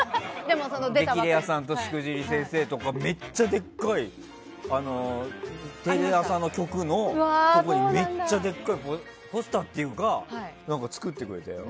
「激レアさん」と「しくじり先生」とかめっちゃでっかいテレ朝の局のところにめっちゃでっかいポスターっていうか何か、作ってくれたよ。